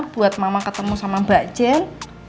buat mama ketemu sama mbak jen